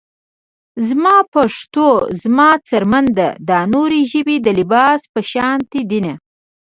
زما پښتو زما څرمن ده - دا نورې ژبې د لباس په شاندې دينه